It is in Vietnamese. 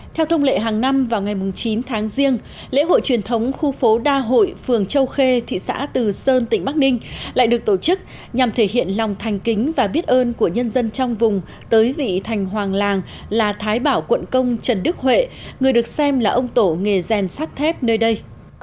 theo thông lệ hàng năm vào ngày chín tháng riêng lễ hội truyền thống khu phố đa hội phường châu khê thị xã từ sơn tỉnh bắc ninh lại được tổ chức nhằm thể hiện lòng thành kính và biết ơn của nhân dân trong vùng tới vị thành hoàng làng là thái bảo quận công trần đức huệ người được xem là ông tổ nghề rèn sắt thép nơi đây